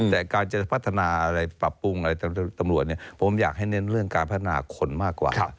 แต่การจะพัฒนาอะไรปรับปรุงอะไรตำรวจผมอยากให้เน้นเรื่องการพัฒนาคนมากกว่า